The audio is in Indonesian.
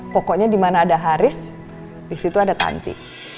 pokoknya dimana ada haris disitu ada tanti